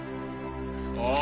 あ！